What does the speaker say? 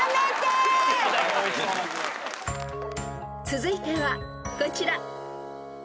［続いてはこちら］